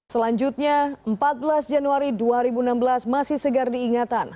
selanjutnya empat belas januari dua ribu enam belas masih segar diingatan